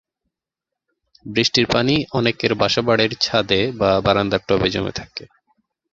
বৃষ্টির পানি অনেকের বাসাবাড়ির ছাদে বা বারান্দার টবে জমে থাকে।